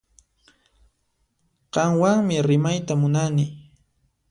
Qanwanmi rimayta munani